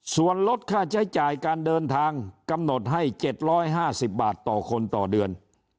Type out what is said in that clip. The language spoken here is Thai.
ส่วนลดค่าใช้จ่ายการเดินทางกำหนดให้๗๕๐บาทต่อคนต่อเดือน